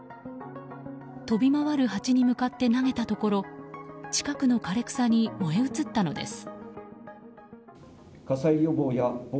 飛び回るハチに向かって投げたところ近くの枯れ草に燃え移ったのです。